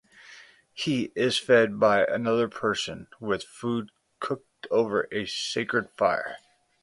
He is fed by another person with food cooked over a sacred fire.